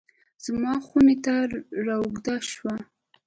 زما خونې ته رااوږده شوه